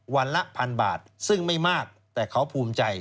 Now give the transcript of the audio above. วันละพันบาทซึ่งไม่มากแต่เขาภูมิใจ